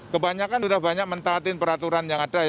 kebanyakan sudah banyak mentaati peraturan yang ada